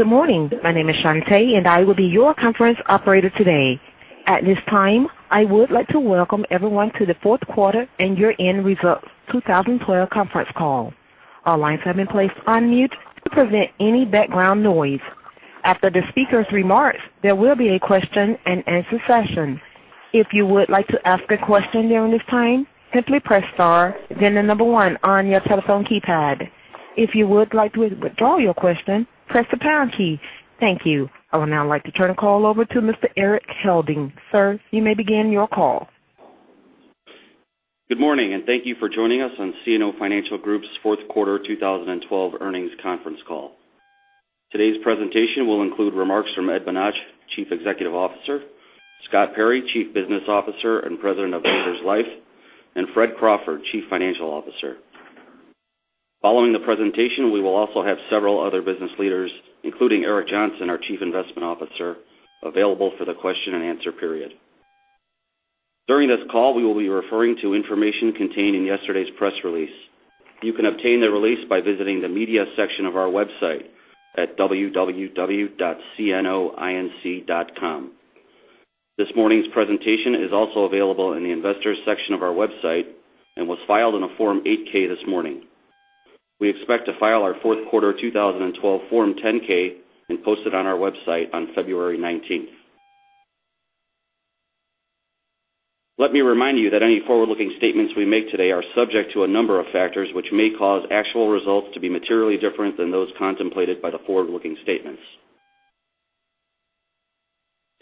Good morning. My name is Shante, and I will be your conference operator today. At this time, I would like to welcome everyone to the fourth quarter and year-end results 2012 conference call. All lines have been placed on mute to prevent any background noise. After the speaker's remarks, there will be a question and answer session. If you would like to ask a question during this time, simply press star then the number one on your telephone keypad. If you would like to withdraw your question, press the pound key. Thank you. I would now like to turn the call over to Mr. Erik Helding. Sir, you may begin your call. Good morning. Thank you for joining us on CNO Financial Group's fourth quarter 2012 earnings conference call. Today's presentation will include remarks from Ed Bonach, Chief Executive Officer, Scott Perry, Chief Business Officer and President of Investors Life, and Fred Crawford, Chief Financial Officer. Following the presentation, we will also have several other business leaders, including Eric Johnson, our Chief Investment Officer, available for the question and answer period. During this call, we will be referring to information contained in yesterday's press release. You can obtain the release by visiting the media section of our website at www.cnoinc.com. This morning's presentation is also available in the investors section of our website and was filed in a Form 8-K this morning. We expect to file our fourth quarter 2012 Form 10-K and post it on our website on February 19th. Let me remind you that any forward-looking statements we make today are subject to a number of factors which may cause actual results to be materially different than those contemplated by the forward-looking statements.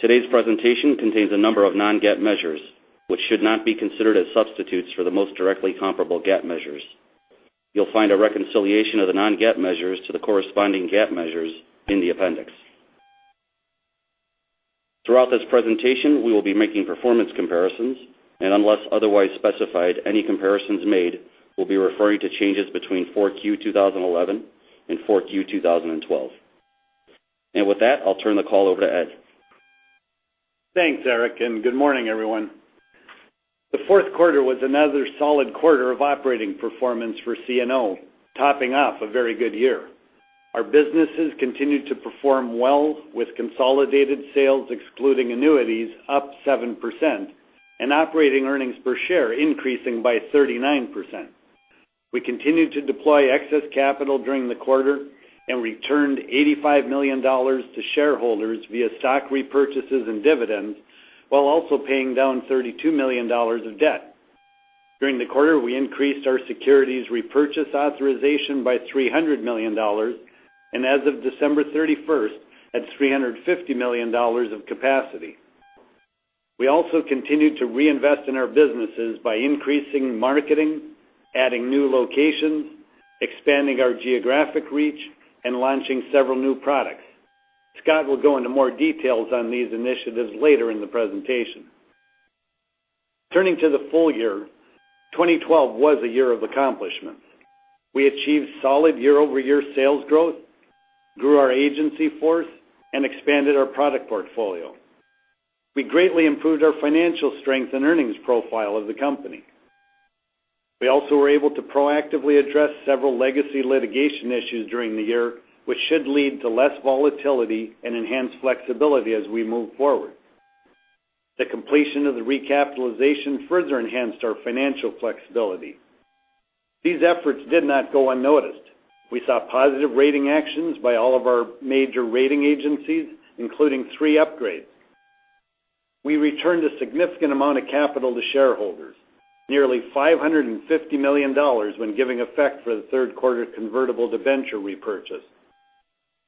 Today's presentation contains a number of non-GAAP measures, which should not be considered as substitutes for the most directly comparable GAAP measures. You'll find a reconciliation of the non-GAAP measures to the corresponding GAAP measures in the appendix. Throughout this presentation, we will be making performance comparisons, unless otherwise specified, any comparisons made will be referring to changes between 4Q 2011 and 4Q 2012. With that, I'll turn the call over to Ed. Thanks, Erik. Good morning, everyone. The fourth quarter was another solid quarter of operating performance for CNO, topping off a very good year. Our businesses continued to perform well with consolidated sales, excluding annuities, up 7%, and operating earnings per share increasing by 39%. We continued to deploy excess capital during the quarter and returned $85 million to shareholders via stock repurchases and dividends while also paying down $32 million of debt. During the quarter, we increased our securities repurchase authorization by $300 million, and as of December 31st, had $350 million of capacity. We also continued to reinvest in our businesses by increasing marketing, adding new locations, expanding our geographic reach, and launching several new products. Scott will go into more details on these initiatives later in the presentation. Turning to the full year, 2012 was a year of accomplishments. We achieved solid year-over-year sales growth, grew our agency force, and expanded our product portfolio. We greatly improved our financial strength and earnings profile as a company. We also were able to proactively address several legacy litigation issues during the year, which should lead to less volatility and enhanced flexibility as we move forward. The completion of the recapitalization further enhanced our financial flexibility. These efforts did not go unnoticed. We saw positive rating actions by all of our major rating agencies, including three upgrades. We returned a significant amount of capital to shareholders, nearly $550 million when giving effect for the third quarter convertible debenture repurchase.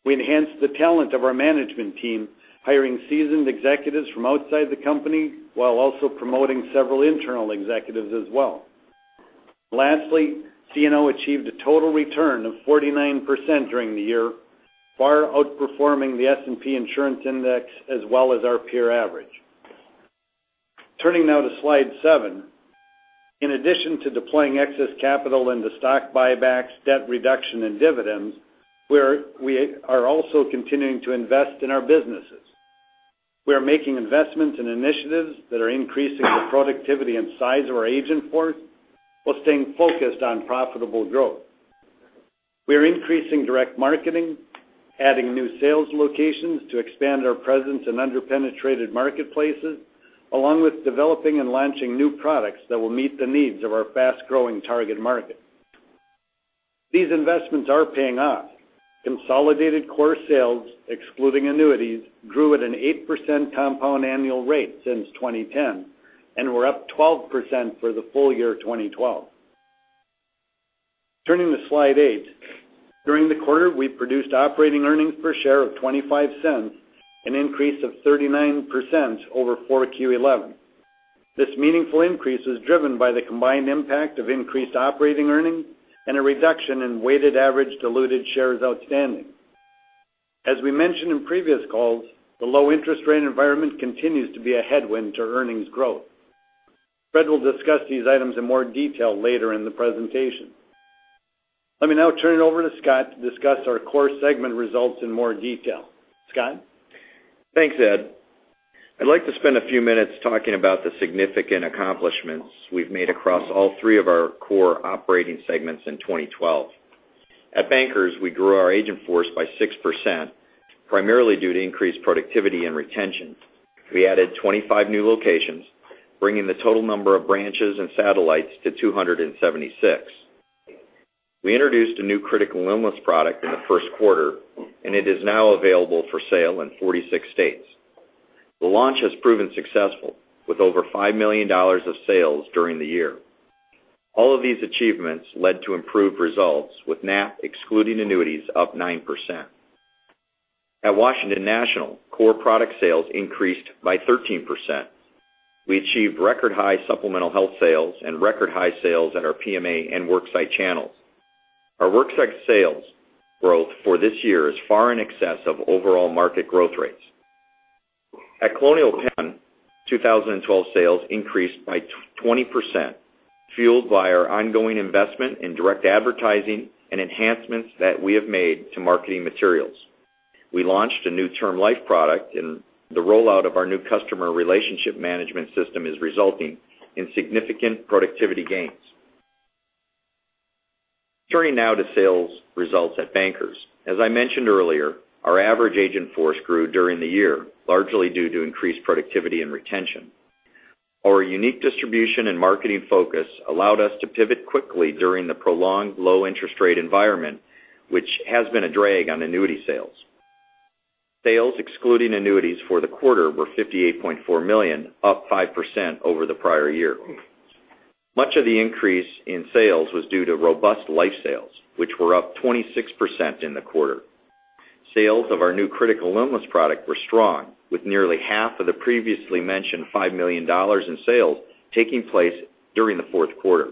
We enhanced the talent of our management team, hiring seasoned executives from outside the company while also promoting several internal executives as well. Lastly, CNO achieved a total return of 49% during the year, far outperforming the S&P Insurance Index as well as our peer average. Turning now to slide seven. In addition to deploying excess capital into stock buybacks, debt reduction, and dividends, we are also continuing to invest in our businesses. We are making investments in initiatives that are increasing the productivity and size of our agent force while staying focused on profitable growth. We are increasing direct marketing, adding new sales locations to expand our presence in under-penetrated marketplaces, along with developing and launching new products that will meet the needs of our fast-growing target market. These investments are paying off. Consolidated core sales, excluding annuities, grew at an 8% compound annual rate since 2010 and were up 12% for the full year 2012. Turning to slide eight. During the quarter, we produced operating earnings per share of $0.25, an increase of 39% over 4Q11. This meaningful increase was driven by the combined impact of increased operating earnings and a reduction in weighted average diluted shares outstanding. As we mentioned in previous calls, the low interest rate environment continues to be a headwind to earnings growth. Fred will discuss these items in more detail later in the presentation. Let me now turn it over to Scott to discuss our core segment results in more detail. Scott? Thanks, Ed. I'd like to spend a few minutes talking about the significant accomplishments we've made across all three of our core operating segments in 2012. At Bankers, we grew our agent force by 6%, primarily due to increased productivity and retention. We added 25 new locations, bringing the total number of branches and satellites to 276. We introduced a new critical illness product in the first quarter, and it is now available for sale in 46 states. The launch has proven successful, with over $5 million of sales during the year. All of these achievements led to improved results, with NAP excluding annuities up 9%. At Washington National, core product sales increased by 13%. We achieved record high supplemental health sales and record high sales at our PMA and worksite channels. Our worksite sales growth for this year is far in excess of overall market growth rates. At Colonial Penn, 2012 sales increased by 20%, fueled by our ongoing investment in direct advertising and enhancements that we have made to marketing materials. We launched a new term life product, and the rollout of our new customer relationship management system is resulting in significant productivity gains. Turning now to sales results at Bankers. As I mentioned earlier, our average agent force grew during the year, largely due to increased productivity and retention. Our unique distribution and marketing focus allowed us to pivot quickly during the prolonged low interest rate environment, which has been a drag on annuity sales. Sales excluding annuities for the quarter were $58.4 million, up 5% over the prior year. Much of the increase in sales was due to robust life sales, which were up 26% in the quarter. Sales of our new critical illness product were strong, with nearly half of the previously mentioned $5 million in sales taking place during the fourth quarter.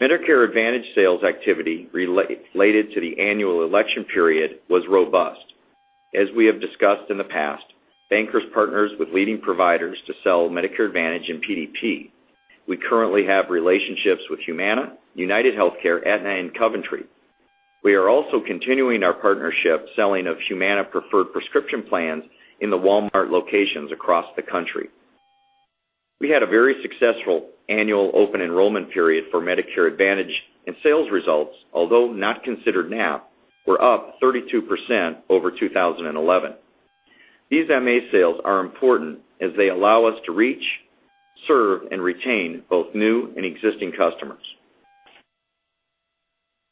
Medicare Advantage sales activity related to the annual election period was robust. As we have discussed in the past, Bankers partners with leading providers to sell Medicare Advantage and PDP. We currently have relationships with Humana, UnitedHealthcare, Aetna, and Coventry. We are also continuing our partnership selling of Humana Premier prescription plans in the Walmart locations across the country. We had a very successful annual open enrollment period for Medicare Advantage, and sales results, although not considered NAP, were up 32% over 2011. These MA sales are important as they allow us to reach, serve, and retain both new and existing customers.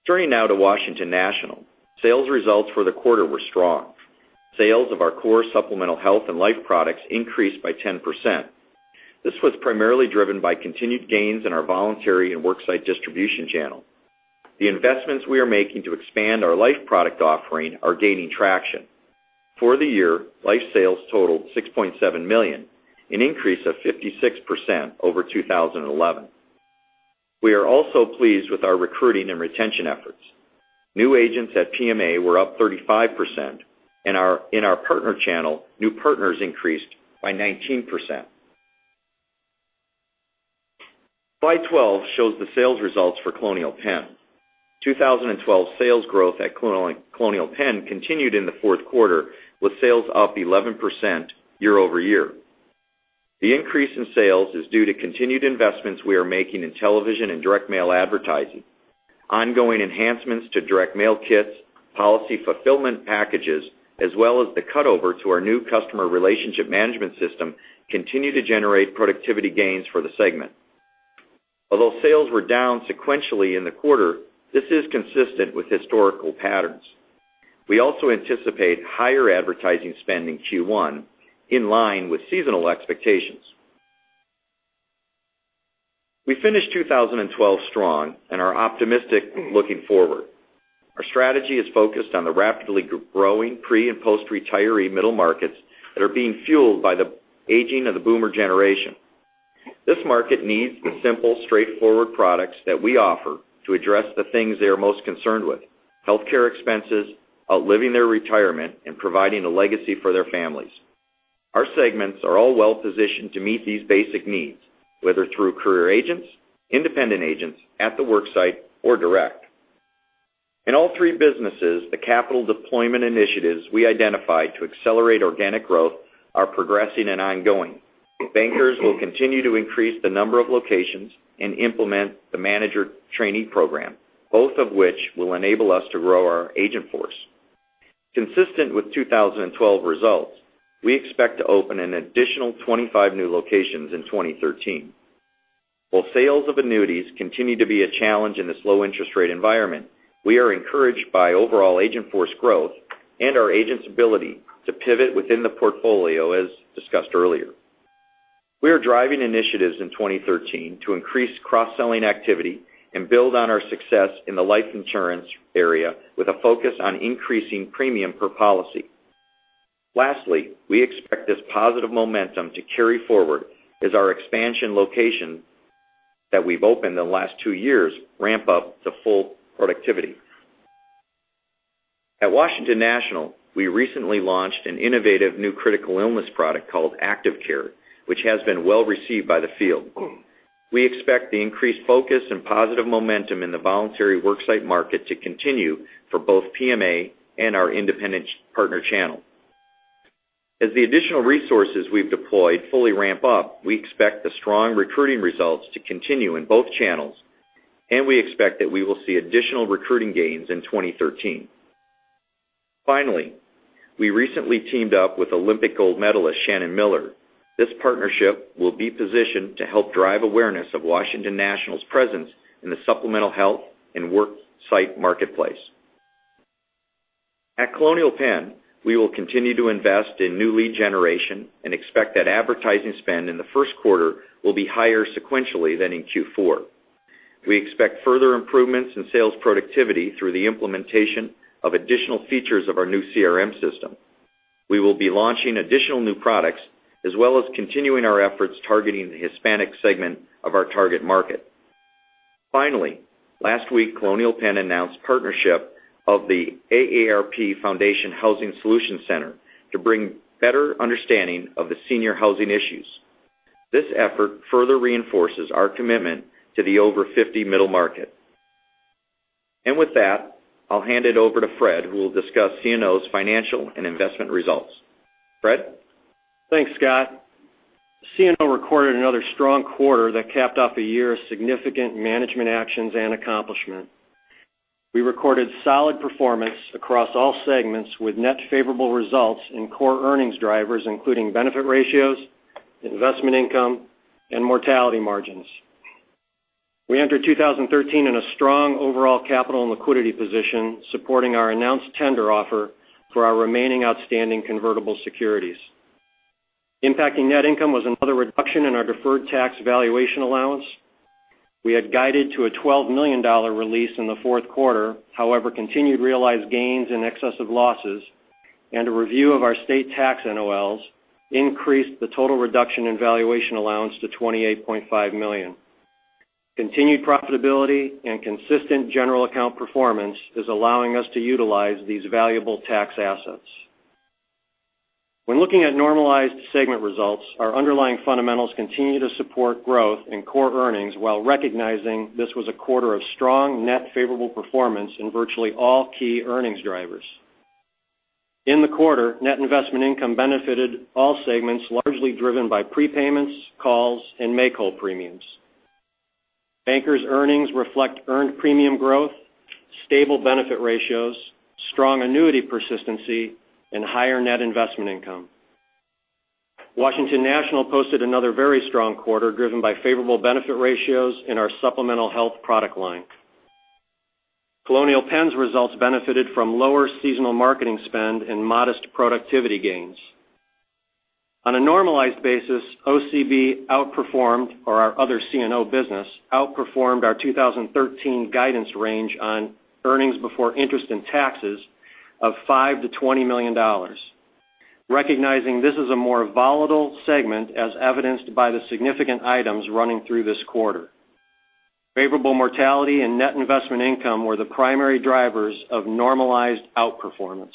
Turning now to Washington National. Sales results for the quarter were strong. Sales of our core supplemental health and life products increased by 10%. This was primarily driven by continued gains in our voluntary and worksite distribution channel. The investments we are making to expand our life product offering are gaining traction. For the year, life sales totaled $6.7 million, an increase of 56% over 2011. We are also pleased with our recruiting and retention efforts. New agents at PMA were up 35%, in our partner channel, new partners increased by 19%. Slide 12 shows the sales results for Colonial Penn. 2012 sales growth at Colonial Penn continued in the fourth quarter, with sales up 11% year-over-year. The increase in sales is due to continued investments we are making in television and direct mail advertising. Ongoing enhancements to direct mail kits, policy fulfillment packages, as well as the cutover to our new customer relationship management system continue to generate productivity gains for the segment. Although sales were down sequentially in the quarter, this is consistent with historical patterns. We also anticipate higher advertising spend in Q1, in line with seasonal expectations. We finished 2012 strong and are optimistic looking forward. Our strategy is focused on the rapidly growing pre and post-retiree middle markets that are being fueled by the aging of the boomer generation. This market needs the simple, straightforward products that we offer to address the things they are most concerned with, healthcare expenses, outliving their retirement, and providing a legacy for their families. Our segments are all well-positioned to meet these basic needs, whether through career agents, independent agents at the worksite, or direct. In all three businesses, the capital deployment initiatives we identified to accelerate organic growth are progressing and ongoing. Bankers will continue to increase the number of locations and implement the manager trainee program, both of which will enable us to grow our agent force. Consistent with 2012 results, we expect to open an additional 25 new locations in 2013. While sales of annuities continue to be a challenge in this low interest rate environment, we are encouraged by overall agent force growth and our agents' ability to pivot within the portfolio, as discussed earlier. We are driving initiatives in 2013 to increase cross-selling activity and build on our success in the life insurance area with a focus on increasing premium per policy. Lastly, we expect this positive momentum to carry forward as our expansion location that we've opened in the last two years ramp up to full productivity. At Washington National, we recently launched an innovative new critical illness product called Active Care, which has been well received by the field. We expect the increased focus and positive momentum in the voluntary worksite market to continue for both PMA and our independent partner channel. As the additional resources we've deployed fully ramp up, we expect the strong recruiting results to continue in both channels, and we expect that we will see additional recruiting gains in 2013. Finally, we recently teamed up with Olympic gold medalist Shannon Miller. This partnership will be positioned to help drive awareness of Washington National's presence in the supplemental health and worksite marketplace. At Colonial Penn, we will continue to invest in new lead generation and expect that advertising spend in the first quarter will be higher sequentially than in Q4. We expect further improvements in sales productivity through the implementation of additional features of our new CRM system. We will be launching additional new products, as well as continuing our efforts targeting the Hispanic segment of our target market. Finally, last week, Colonial Penn announced partnership of the AARP Foundation Housing Solutions Center to bring better understanding of the senior housing issues. This effort further reinforces our commitment to the over 50 middle market. With that, I'll hand it over to Fred, who will discuss CNO's financial and investment results. Fred? Thanks, Scott. CNO recorded another strong quarter that capped off a year of significant management actions and accomplishment. We recorded solid performance across all segments with net favorable results in core earnings drivers, including benefit ratios, investment income, and mortality margins. We enter 2013 in a strong overall capital and liquidity position, supporting our announced tender offer for our remaining outstanding convertible securities. Impacting net income was another reduction in our deferred tax valuation allowance. We had guided to a $12 million release in the fourth quarter. However, continued realized gains in excess of losses and a review of our state tax NOLs increased the total reduction in valuation allowance to $28.5 million. Continued profitability and consistent general account performance is allowing us to utilize these valuable tax assets. When looking at normalized segment results, our underlying fundamentals continue to support growth in core earnings, while recognizing this was a quarter of strong net favorable performance in virtually all key earnings drivers. In the quarter, net investment income benefited all segments, largely driven by prepayments, calls, and make-whole premiums. Bankers' earnings reflect earned premium growth, stable benefit ratios, strong annuity persistency, and higher net investment income. Washington National posted another very strong quarter, driven by favorable benefit ratios in our supplemental health product line. Colonial Penn's results benefited from lower seasonal marketing spend and modest productivity gains. On a normalized basis, OCB, or our other CNO business, outperformed our 2013 guidance range on earnings before interest and taxes of $5 million-$20 million. This is a more volatile segment, as evidenced by the significant items running through this quarter. Favorable mortality and net investment income were the primary drivers of normalized outperformance.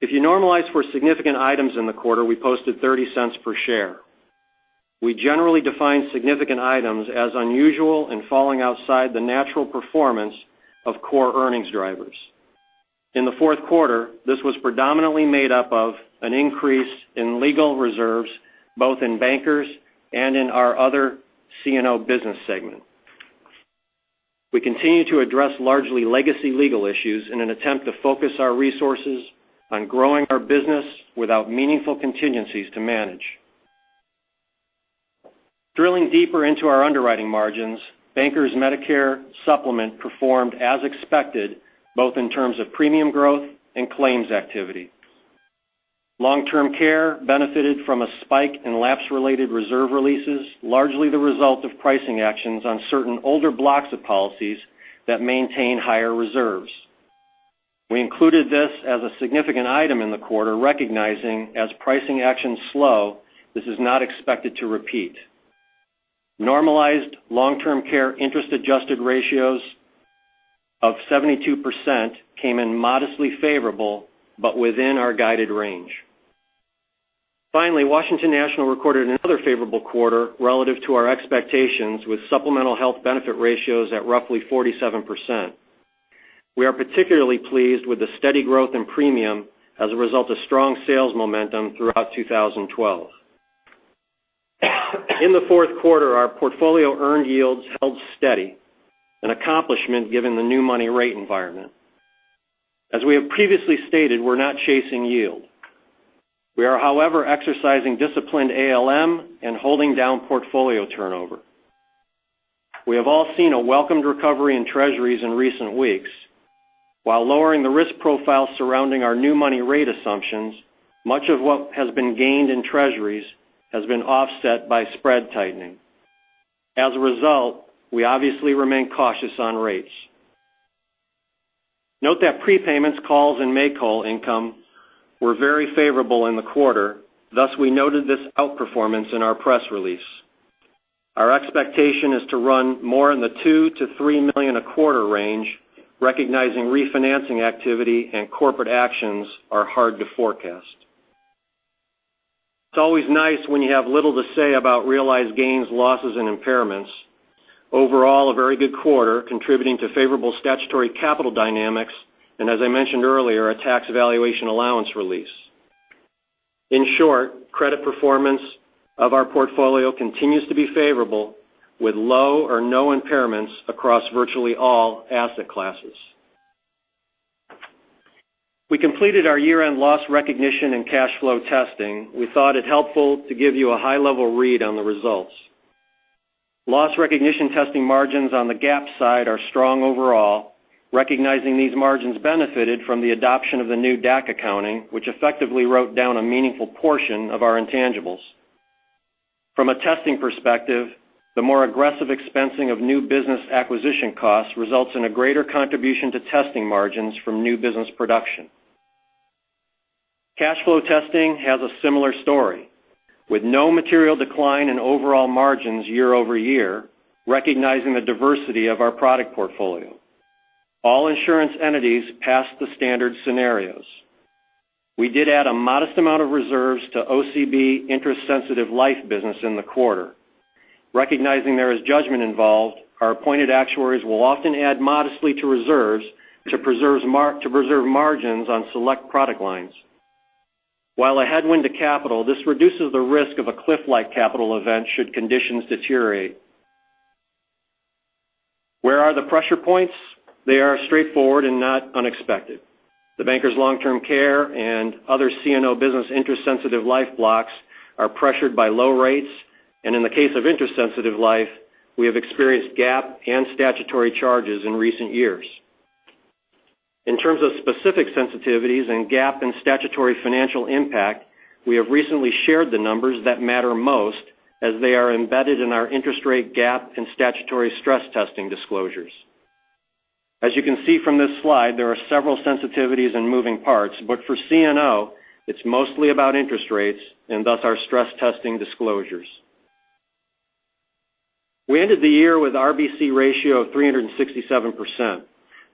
If you normalize for significant items in the quarter, we posted $0.30 per share. We generally define significant items as unusual and falling outside the natural performance of core earnings drivers. In the fourth quarter, this was predominantly made up of an increase in legal reserves, both in Bankers and in our other CNO business segment. We continue to address largely legacy legal issues in an attempt to focus our resources on growing our business without meaningful contingencies to manage. Drilling deeper into our underwriting margins, Bankers' Medicare Supplement performed as expected, both in terms of premium growth and claims activity. Long-term care benefited from a spike in lapse-related reserve releases, largely the result of pricing actions on certain older blocks of policies that maintain higher reserves. We included this as a significant item in the quarter, as pricing actions slow, this is not expected to repeat. Normalized long-term care interest-adjusted ratios of 72% came in modestly favorable but within our guided range. Washington National recorded another favorable quarter relative to our expectations with supplemental health benefit ratios at roughly 47%. We are particularly pleased with the steady growth in premium as a result of strong sales momentum throughout 2012. In the fourth quarter, our portfolio earned yields held steady, an accomplishment given the new money rate environment. As we have previously stated, we're not chasing yield. We are, however, exercising disciplined ALM and holding down portfolio turnover. We have all seen a welcomed recovery in treasuries in recent weeks. While lowering the risk profile surrounding our new money rate assumptions, much of what has been gained in treasuries has been offset by spread tightening. We obviously remain cautious on rates. Note that prepayments, calls, and make-whole income were very favorable in the quarter. We noted this outperformance in our press release. Our expectation is to run more in the $2 million-$3 million a quarter range. Refinancing activity and corporate actions are hard to forecast. It's always nice when you have little to say about realized gains, losses, and impairments. A very good quarter contributing to favorable statutory capital dynamics, and as I mentioned earlier, a tax valuation allowance release. Credit performance of our portfolio continues to be favorable, with low or no impairments across virtually all asset classes. We completed our year-end loss recognition and cash flow testing. We thought it helpful to give you a high-level read on the results. Loss recognition testing margins on the GAAP side are strong overall, recognizing these margins benefited from the adoption of the new DAC accounting, which effectively wrote down a meaningful portion of our intangibles. From a testing perspective, the more aggressive expensing of new business acquisition costs results in a greater contribution to testing margins from new business production. Cash flow testing has a similar story. With no material decline in overall margins year-over-year, recognizing the diversity of our product portfolio. All insurance entities passed the standard scenarios. We did add a modest amount of reserves to OCB interest-sensitive life business in the quarter. Recognizing there is judgment involved, our appointed actuaries will often add modestly to reserves to preserve margins on select product lines. While a headwind to capital, this reduces the risk of a cliff-like capital event should conditions deteriorate. Where are the pressure points? They are straightforward and not unexpected. The Bankers Long-Term Care and other CNO business interest-sensitive life blocks are pressured by low rates, and in the case of interest-sensitive life, we have experienced GAAP and statutory charges in recent years. In terms of specific sensitivities and GAAP and statutory financial impact, we have recently shared the numbers that matter most as they are embedded in our interest rate GAAP and statutory stress testing disclosures. As you can see from this slide, there are several sensitivities and moving parts. For CNO, it's mostly about interest rates, and thus our stress testing disclosures. We ended the year with RBC ratio of 367%.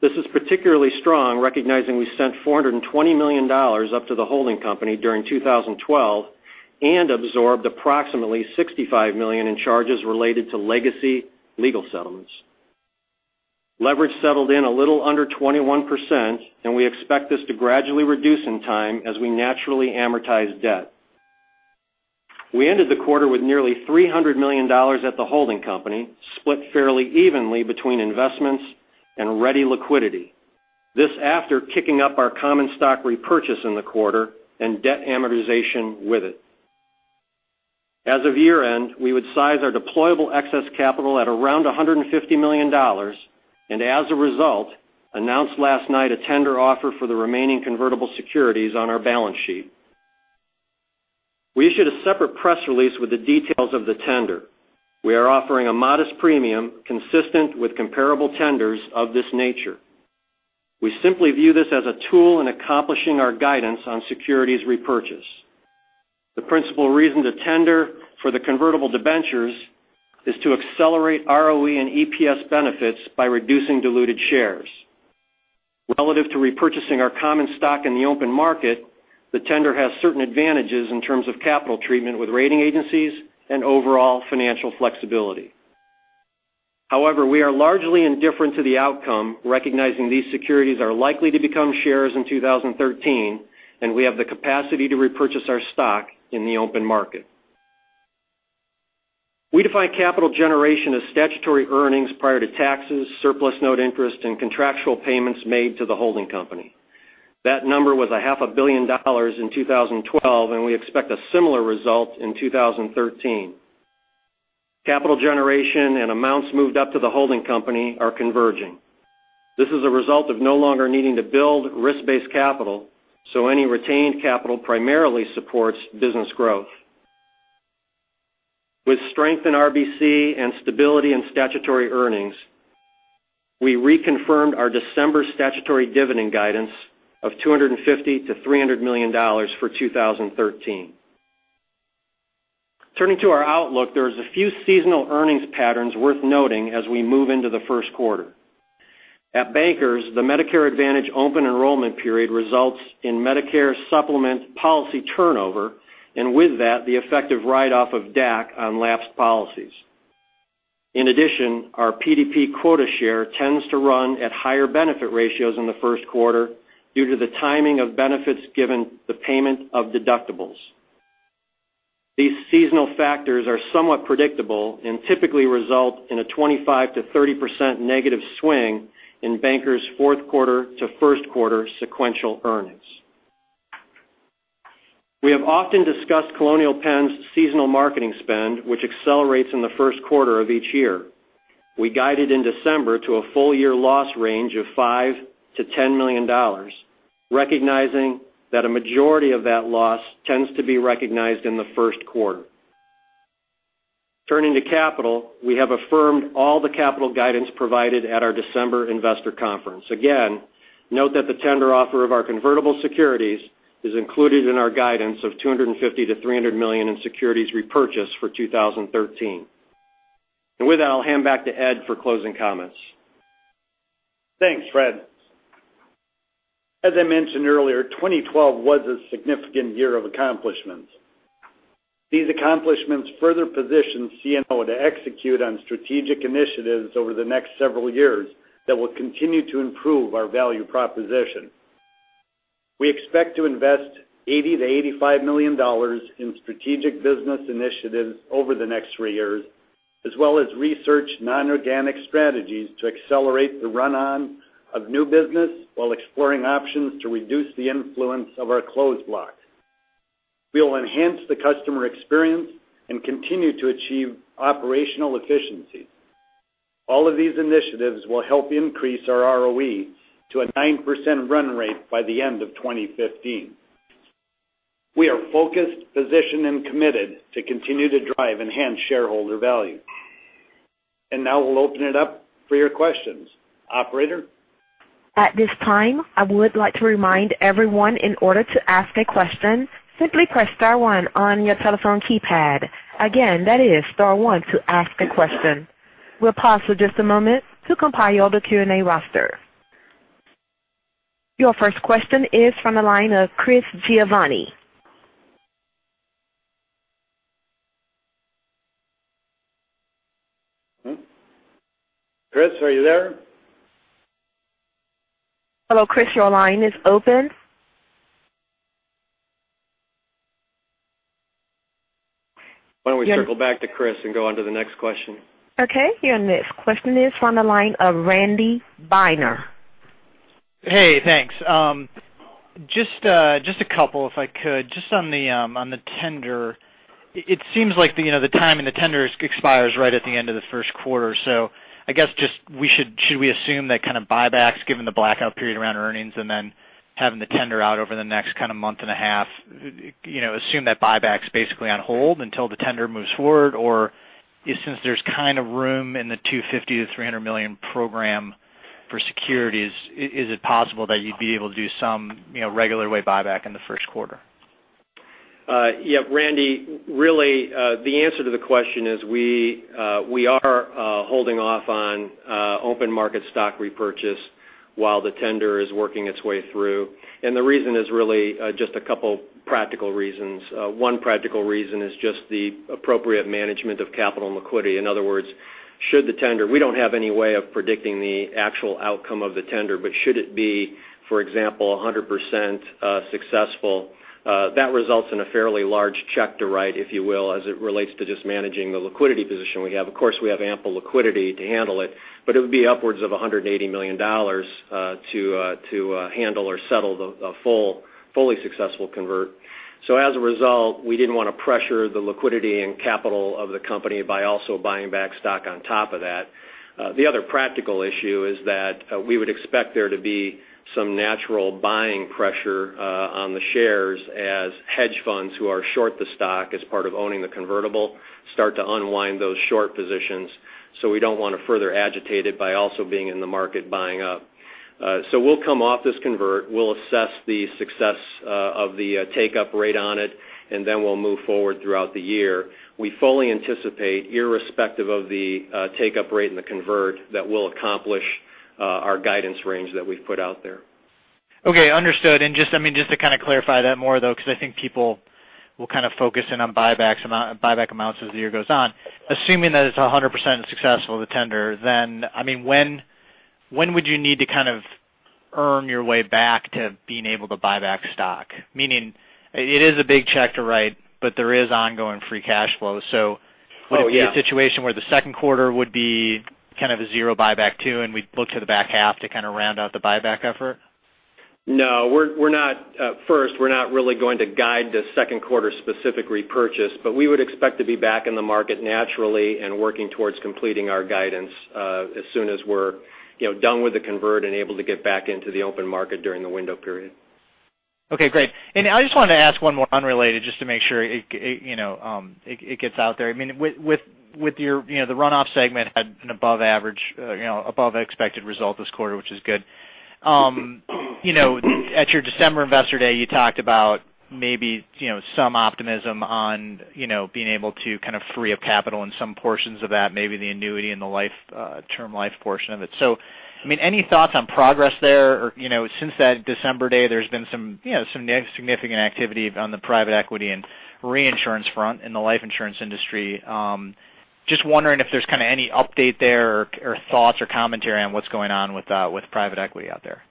This is particularly strong, recognizing we sent $420 million up to the holding company during 2012 and absorbed approximately $65 million in charges related to legacy legal settlements. Leverage settled in a little under 21%. We expect this to gradually reduce in time as we naturally amortize debt. We ended the quarter with nearly $300 million at the holding company, split fairly evenly between investments and ready liquidity. This after kicking up our common stock repurchase in the quarter and debt amortization with it. As of year-end, we would size our deployable excess capital at around $150 million. As a result, announced last night a tender offer for the remaining convertible securities on our balance sheet. We issued a separate press release with the details of the tender. We are offering a modest premium consistent with comparable tenders of this nature. We simply view this as a tool in accomplishing our guidance on securities repurchase. The principal reason to tender for the convertible debentures is to accelerate ROE and EPS benefits by reducing diluted shares. Relative to repurchasing our common stock in the open market, the tender has certain advantages in terms of capital treatment with rating agencies and overall financial flexibility. However, we are largely indifferent to the outcome, recognizing these securities are likely to become shares in 2013, and we have the capacity to repurchase our stock in the open market. We define capital generation as statutory earnings prior to taxes, surplus note interest, and contractual payments made to the holding company. That number was a half a billion dollars in 2012. We expect a similar result in 2013. Capital generation and amounts moved up to the holding company are converging. This is a result of no longer needing to build risk-based capital. Any retained capital primarily supports business growth. With strength in RBC and stability in statutory earnings, we reconfirmed our December statutory dividend guidance of $250 million-$300 million for 2013. Turning to our outlook, there's a few seasonal earnings patterns worth noting as we move into the first quarter. At Bankers, the Medicare Advantage open enrollment period results in Medicare Supplement policy turnover, and with that, the effective write-off of DAC on lapsed policies. In addition, our PDP quota share tends to run at higher benefit ratios in the first quarter due to the timing of benefits given the payment of deductibles. These seasonal factors are somewhat predictable and typically result in a 25%-30% negative swing in Bankers' fourth quarter to first quarter sequential earnings. We have often discussed Colonial Penn's seasonal marketing spend, which accelerates in the first quarter of each year. We guided in December to a full-year loss range of $5 million-$10 million, recognizing that a majority of that loss tends to be recognized in the first quarter. Turning to capital, we have affirmed all the capital guidance provided at our December investor conference. Note that the tender offer of our convertible securities is included in our guidance of $250 million-$300 million in securities repurchase for 2013. With that, I'll hand back to Ed for closing comments. Thanks, Fred. As I mentioned earlier, 2012 was a significant year of accomplishments. These accomplishments further position CNO to execute on strategic initiatives over the next several years that will continue to improve our value proposition. We expect to invest $80 million-$85 million in strategic business initiatives over the next three years, as well as research non-organic strategies to accelerate the run-on of new business while exploring options to reduce the influence of our closed block. We will enhance the customer experience and continue to achieve operational efficiency. All of these initiatives will help increase our ROE to a 9% run rate by the end of 2015. We are focused, positioned, and committed to continue to drive enhanced shareholder value. Now we'll open it up for your questions. Operator? At this time, I would like to remind everyone, in order to ask a question, simply press star one on your telephone keypad. Again, that is star one to ask a question. We'll pause for just a moment to compile the Q&A roster. Your first question is from the line of Chris Giovanni. Chris, are you there? Hello, Chris, your line is open. Why don't we circle back to Chris and go on to the next question? Okay. Your next question is from the line of Randy Binner. Hey, thanks. Just a couple, if I could. Just on the tender, it seems like the time and the tender expires right at the end of the first quarter. I guess, should we assume that kind of buybacks, given the blackout period around earnings and then having the tender out over the next kind of month and a half, assume that buyback's basically on hold until the tender moves forward? Since there's kind of room in the $250 million-$300 million program for securities, is it possible that you'd be able to do some regular way buyback in the first quarter? Yeah, Randy, really, the answer to the question is we are holding off on open market stock repurchase while the tender is working its way through. The reason is really just a couple practical reasons. One practical reason is just the appropriate management of capital and liquidity. In other words, should the tender, we don't have any way of predicting the actual outcome of the tender, but should it be, for example, 100% successful, that results in a fairly large check to write, if you will, as it relates to just managing the liquidity position we have. Of course, we have ample liquidity to handle it, but it would be upwards of $180 million to handle or settle the fully successful convert. As a result, we didn't want to pressure the liquidity and capital of the company by also buying back stock on top of that. The other practical issue is that we would expect there to be some natural buying pressure on the shares as hedge funds who are short the stock as part of owning the convertible start to unwind those short positions. We don't want to further agitate it by also being in the market buying up. We'll come off this convert, we'll assess the success of the take-up rate on it, then we'll move forward throughout the year. We fully anticipate, irrespective of the take-up rate in the convert, that we'll accomplish our guidance range that we've put out there. Okay, understood. Just to kind of clarify that more, though, because I think people will kind of focus in on buyback amounts as the year goes on. Assuming that it's 100% successful, the tender, then when would you need to kind of earn your way back to being able to buy back stock? Meaning, it is a big check to write, but there is ongoing free cash flow. Oh, yeah Would it be a situation where the second quarter would be kind of a zero buyback too, and we'd look to the back half to kind of round out the buyback effort? No. First, we're not really going to guide the second quarter specific repurchase, we would expect to be back in the market naturally and working towards completing our guidance as soon as we're done with the convert and able to get back into the open market during the window period. Okay, great. I just wanted to ask one more unrelated just to make sure it gets out there. The runoff segment had an above expected result this quarter, which is good. At your December investor day, you talked about maybe some optimism on being able to kind of free up capital in some portions of that, maybe the annuity and the term life portion of it. Any thoughts on progress there? Since that December day, there's been some significant activity on the private equity and reinsurance front in the life insurance industry. Just wondering if there's kind of any update there or thoughts or commentary on what's going on with private equity out there.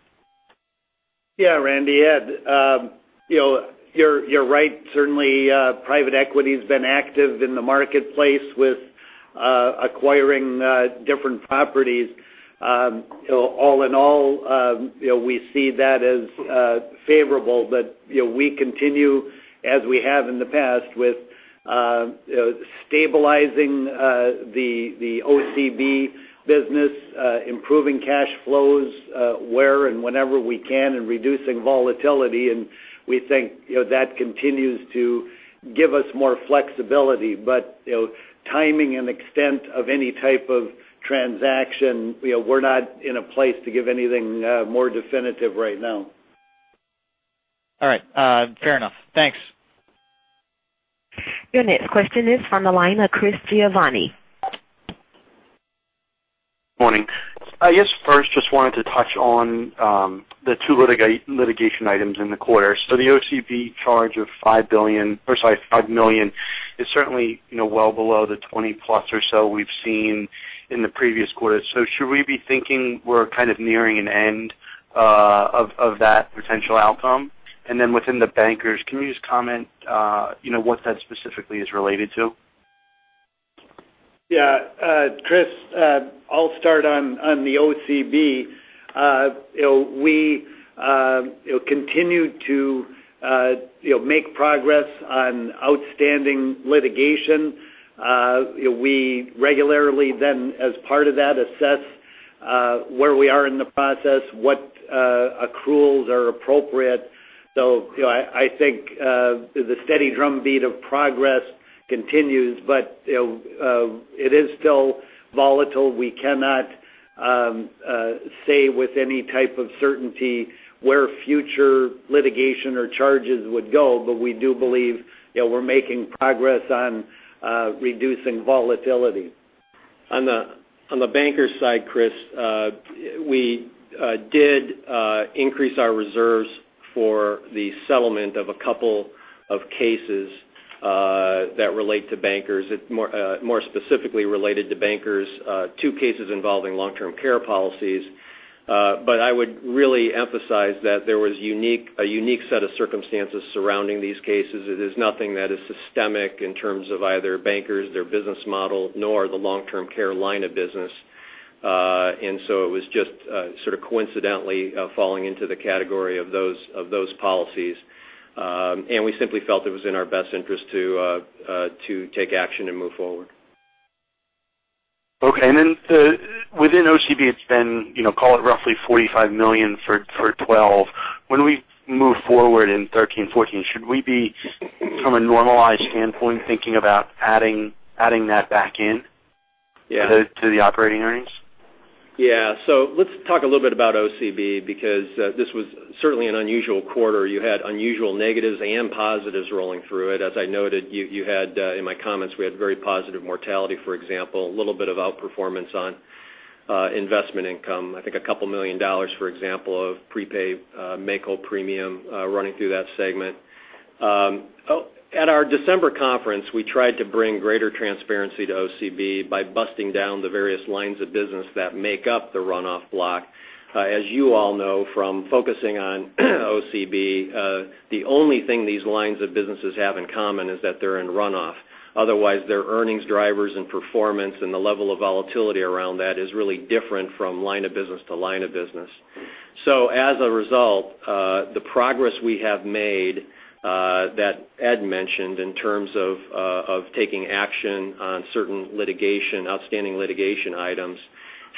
Yeah, Randy. Ed. You're right. Certainly, private equity's been active in the marketplace with acquiring different properties. All in all, we see that as favorable that we continue as we have in the past with stabilizing the OCB business, improving cash flows where and whenever we can and reducing volatility, and we think that continues to give us more flexibility. Timing and extent of any type of transaction, we're not in a place to give anything more definitive right now. All right. Fair enough. Thanks. Your next question is from the line of Chris Giovanni. Morning. I guess first, just wanted to touch on the two litigation items in the quarter. The OCB charge of $5 million is certainly well below the 20-plus or so we've seen in the previous quarter. Should we be thinking we're kind of nearing an end of that potential outcome? Then within the Bankers, can you just comment what that specifically is related to? Chris, I'll start on the OCB. We continue to make progress on outstanding litigation. We regularly, as part of that, assess where we are in the process, what accruals are appropriate. I think the steady drumbeat of progress continues. It is still volatile. We cannot say with any type of certainty where future litigation or charges would go. We do believe we're making progress on reducing volatility. On the Bankers side, Chris, we did increase our reserves for the settlement of a couple of cases that relate to Bankers, more specifically related to Bankers, two cases involving long-term care policies. I would really emphasize that there was a unique set of circumstances surrounding these cases. It is nothing that is systemic in terms of either Bankers, their business model, nor the long-term care line of business. It was just sort of coincidentally falling into the category of those policies. We simply felt it was in our best interest to take action and move forward. Okay. Within OCB, it's been, call it roughly $45 million for 2012. When we move forward in 2013, 2014, should we be, from a normalized standpoint, thinking about adding that back in- Yeah to the operating earnings? Let's talk a little bit about OCB, because this was certainly an unusual quarter. You had unusual negatives and positives rolling through it. As I noted in my comments, we had very positive mortality, for example, a little bit of outperformance on investment income. I think a couple million dollars, for example, of prepaid make-whole premium running through that segment. At our December conference, we tried to bring greater transparency to OCB by busting down the various lines of business that make up the runoff block. As you all know, from focusing on OCB, the only thing these lines of businesses have in common is that they're in runoff. Otherwise, their earnings drivers and performance and the level of volatility around that is really different from line of business to line of business. As a result, the progress we have made, that Ed mentioned, in terms of taking action on certain outstanding litigation items,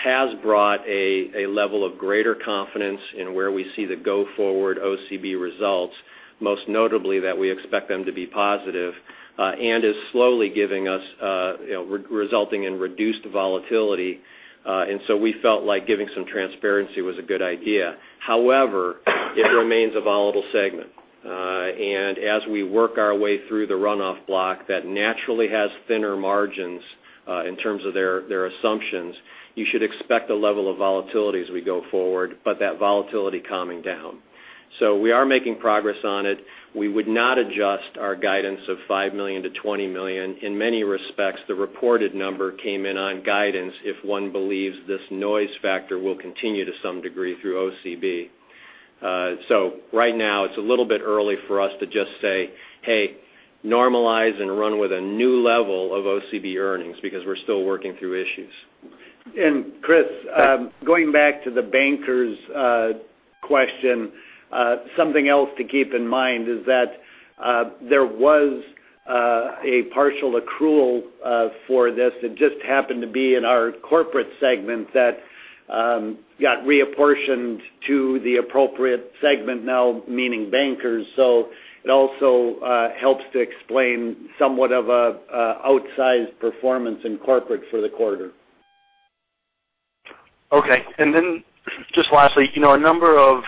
has brought a level of greater confidence in where we see the go-forward OCB results, most notably that we expect them to be positive, and is slowly resulting in reduced volatility. We felt like giving some transparency was a good idea. However, it remains a volatile segment. As we work our way through the runoff block that naturally has thinner margins in terms of their assumptions, you should expect a level of volatility as we go forward, but that volatility calming down. We are making progress on it. We would not adjust our guidance of $5 million-$20 million. In many respects, the reported number came in on guidance if one believes this noise factor will continue to some degree through OCB. Right now, it's a little bit early for us to just say, "Hey, normalize and run with a new level of OCB earnings," because we're still working through issues. Chris, going back to the Bankers question, something else to keep in mind is that there was a partial accrual for this that just happened to be in our corporate segment that got reapportioned to the appropriate segment now, meaning Bankers. It also helps to explain somewhat of an outsized performance in corporate for the quarter. Okay. Just lastly, a number of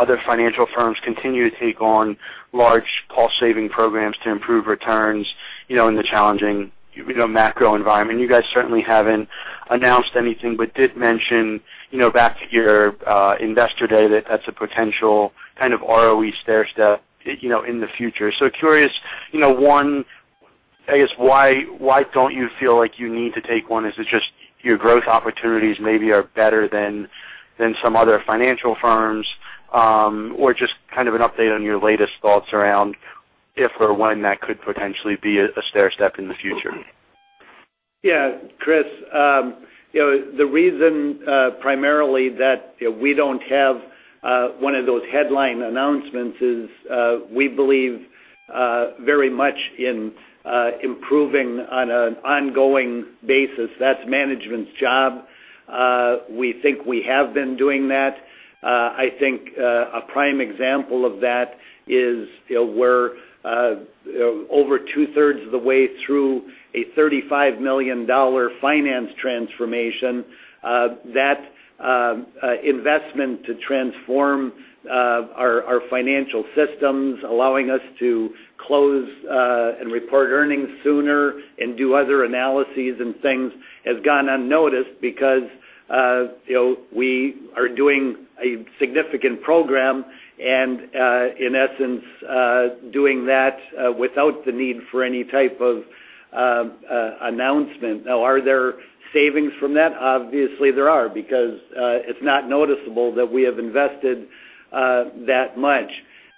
other financial firms continue to take on large cost-saving programs to improve returns in the challenging macro environment. You guys certainly haven't announced anything, but did mention back at your investor day that that's a potential kind of ROE stairstep in the future. Curious, one, I guess why don't you feel like you need to take one? Is it just your growth opportunities maybe are better than some other financial firms? Or just kind of an update on your latest thoughts around if or when that could potentially be a stairstep in the future. Yeah. Chris, the reason primarily that we don't have one of those headline announcements is we believe very much in improving on an ongoing basis. That's management's job. We think we have been doing that. I think a prime example of that is we're over two-thirds of the way through a $35 million finance transformation that investment to transform our financial systems, allowing us to close and report earnings sooner and do other analyses and things, has gone unnoticed because we are doing a significant program and, in essence, doing that without the need for any type of announcement. Are there savings from that? Obviously, there are, because it's not noticeable that we have invested that much.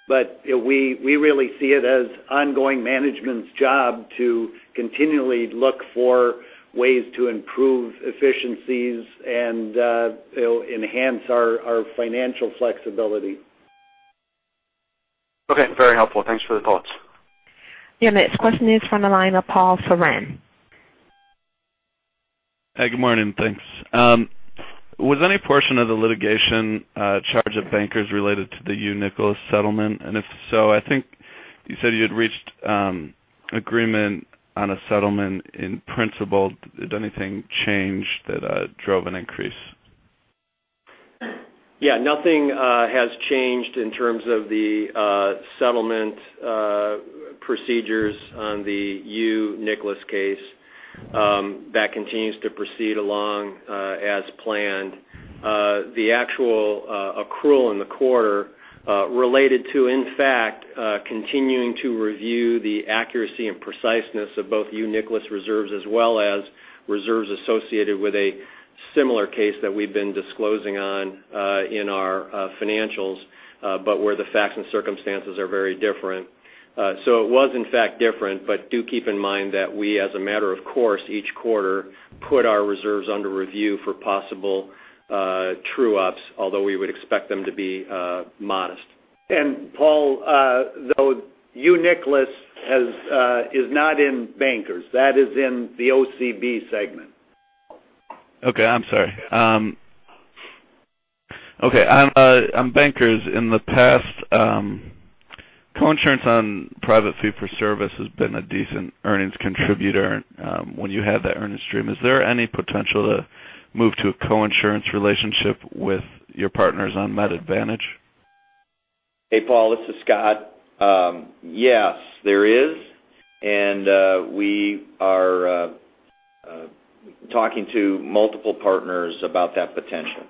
We really see it as ongoing management's job to continually look for ways to improve efficiencies and enhance our financial flexibility. Okay. Very helpful. Thanks for the thoughts. Your next question is from the line of Paul Ferron. Hey, good morning. Thanks. Was any portion of the litigation charge at Bankers related to the Unum Nicholas settlement? If so, I think you said you had reached agreement on a settlement in principle. Did anything change that drove an increase? Yeah. Nothing has changed in terms of the settlement procedures on the Unum Nicholas case. That continues to proceed along as planned. The actual accrual in the quarter related to, in fact, continuing to review the accuracy and preciseness of both Unum Nicholas reserves as well as reserves associated with a similar case that we've been disclosing on in our financials, but where the facts and circumstances are very different. It was, in fact, different, but do keep in mind that we, as a matter of course, each quarter, put our reserves under review for possible true-ups, although we would expect them to be modest. Paul, though Unum Nicholas is not in Bankers. That is in the OCB segment. Okay. I'm sorry. Okay. On Bankers, in the past, co-insurance on private fee for service has been a decent earnings contributor when you have that earnings stream. Is there any potential to move to a co-insurance relationship with your partners on Med Advantage? Hey, Paul, this is Scott. Yes, there is. We are talking to multiple partners about that potential.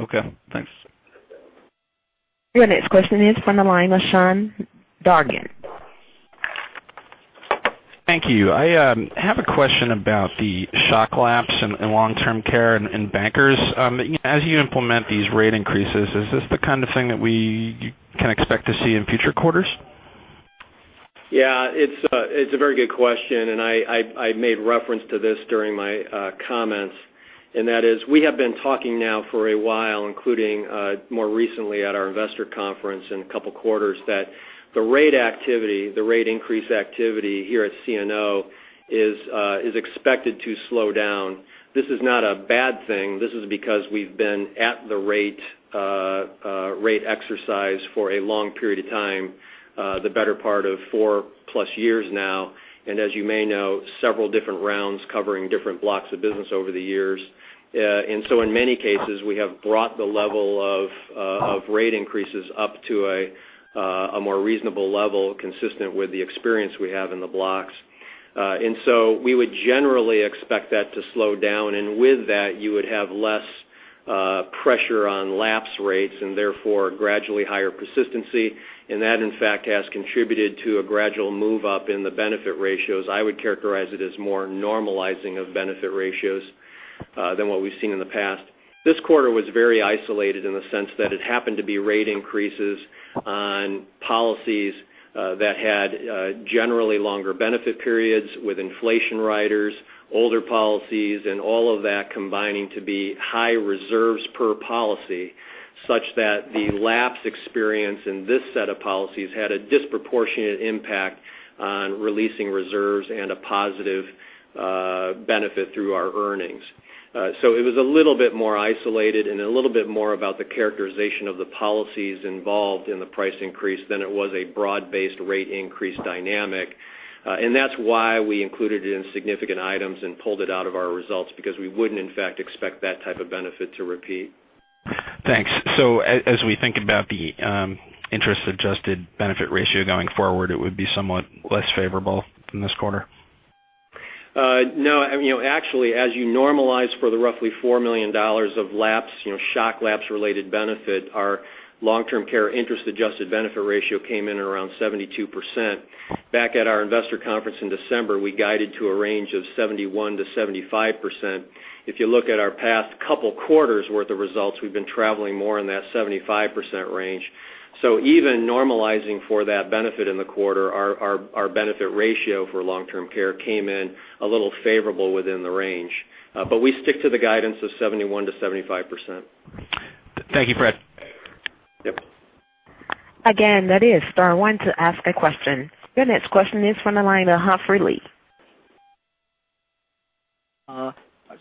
Okay, thanks. Your next question is from the line with Sean Dargan. Thank you. I have a question about the shock lapse in long-term care in Bankers. As you implement these rate increases, is this the kind of thing that we can expect to see in future quarters? It's a very good question. I made reference to this during my comments. That is, we have been talking now for a while, including more recently at our investor conference in a couple of quarters, that the rate activity, the rate increase activity here at CNO is expected to slow down. This is not a bad thing. This is because we've been at the rate exercise for a long period of time, the better part of four-plus years now. As you may know, several different rounds covering different blocks of business over the years. In many cases, we have brought the level of rate increases up to a more reasonable level consistent with the experience we have in the blocks. We would generally expect that to slow down. With that, you would have less pressure on lapse rates and therefore gradually higher persistency. That, in fact, has contributed to a gradual move up in the benefit ratios. I would characterize it as more normalizing of benefit ratios than what we've seen in the past. This quarter was very isolated in the sense that it happened to be rate increases on policies that had generally longer benefit periods with inflation riders, older policies, and all of that combining to be high reserves per policy, such that the lapse experience in this set of policies had a disproportionate impact on releasing reserves and a positive benefit through our earnings. It was a little bit more isolated and a little bit more about the characterization of the policies involved in the price increase than it was a broad-based rate increase dynamic. That's why we included it in significant items and pulled it out of our results because we wouldn't, in fact, expect that type of benefit to repeat. Thanks. As we think about the interest-adjusted benefit ratio going forward, it would be somewhat less favorable than this quarter? No. Actually, as you normalize for the roughly $4 million of lapse, shock lapse related benefit, our long-term care interest-adjusted benefit ratio came in around 72%. Back at our investor conference in December, we guided to a range of 71%-75%. If you look at our past couple quarters worth of results, we've been traveling more in that 75% range. Even normalizing for that benefit in the quarter, our benefit ratio for long-term care came in a little favorable within the range. We stick to the guidance of 71%-75%. Thank you, Fred. Yep. Again, that is star one to ask a question. Your next question is from the line of Humphrey Lee.